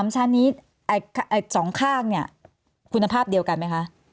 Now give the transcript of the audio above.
๓ชั้นนี้๒ข้างเนี่ยคุณภาพเดียวกันไหมคะ